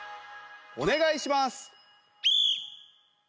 お願いします。